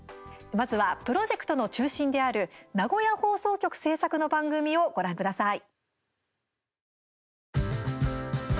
まずはプロジェクトの中心である名古屋放送局制作の番組をご覧ください。